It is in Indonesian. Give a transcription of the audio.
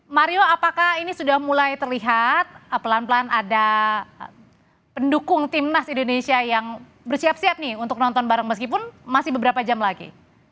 mario apakah ini sudah mulai terlihat pelan pelan ada pendukung timnas indonesia yang bersiap siap nih untuk nonton bareng meskipun masih beberapa jam lagi